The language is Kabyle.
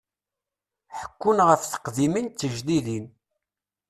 Ḥekkun ɣef teqdimin d tejdidin.